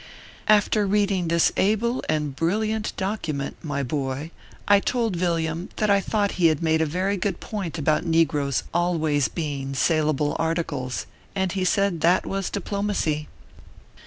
After reading this able and brilliant document, my boy, I told Villiam that I thought he had made a very good point about negroes always being " sailable articles/ and he said that was diplomacy.